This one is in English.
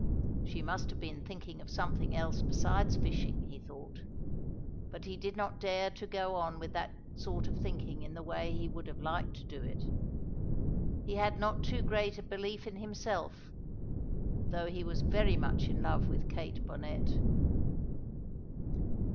She must have been thinking of something else besides fishing, he thought. But he did not dare to go on with that sort of thinking in the way he would have liked to do it. He had not too great a belief in himself, though he was very much in love with Kate Bonnet.